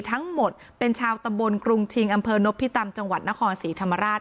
ทั้งหมดเป็นชาวตำบลกรุงชิงอำเภอนพิตำจังหวัดนครศรีธรรมราช